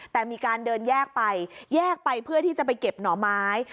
แต่มีการเดินแยกไปแยกไปเพื่อที่จะไปเก็บหน่อไม้